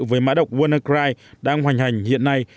với mã độc wannacry đang hoành hành hiện nay